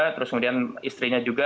terus kemudian istrinya juga